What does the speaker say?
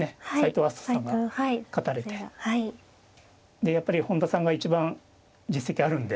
でやっぱり本田さんが一番実績あるんで。